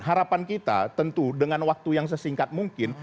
harapan kita tentu dengan waktu yang sesingkat mungkin